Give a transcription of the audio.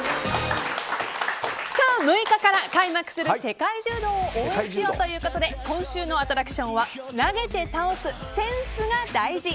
６日から開幕する世界柔道を応援しようということで今週のアトラクションは投げて倒すセンスが大事！